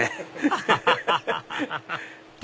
アハハハ！